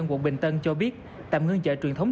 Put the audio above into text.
quận bình tân cho biết tạm ngưng chợ truyền thống